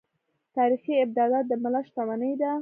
تاریخي ابدات د ملت شتمني ده.